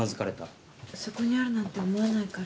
そこにあるなんて思わないから。